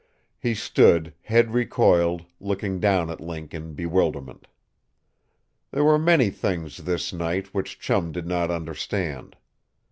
He stood, head recoiled, looking down at Link in bewilderment. There were many things, this night, which Chum did not understand.